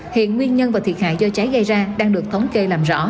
hiện nguyên nhân và thiệt hại do cháy gây ra đang được thống kê làm rõ